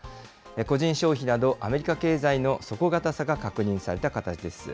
個人消費など、アメリカ経済の底堅さが確認された形です。